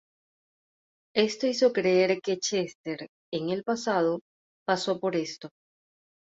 Esto hizo creer que Chester, en el pasado, pasó por esto.